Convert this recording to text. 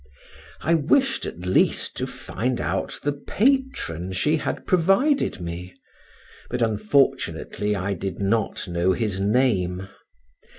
I wished, at least, to find out the patron she had provided me, but, unfortunately, I did not know his name.